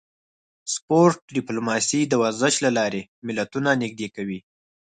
سپورت ډیپلوماسي د ورزش له لارې ملتونه نږدې کوي